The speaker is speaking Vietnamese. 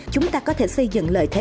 chúng ta có thể xây dựng lệnh